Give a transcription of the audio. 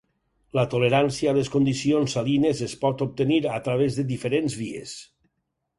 La tolerància a les condicions salines es pot obtenir a través de diferents vies.